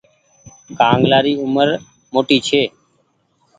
ڪآنگلآ ري اومر موٽي ڇي۔